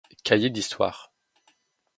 Cahiers d'histoire.